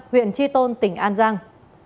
huyện tri tôn tỉnh an giang